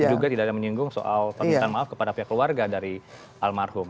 diduga tidak ada menyinggung soal permintaan maaf kepada pihak keluarga dari almarhum